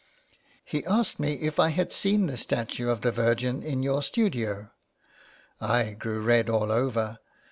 " He asked me if I had seen the statue of the Virgin in your studio. I grew red all over.